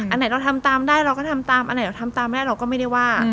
อันไหนเราทำตามได้เราก็ทำตามอันไหนเราทำตามแม่เราก็ไม่ได้ว่า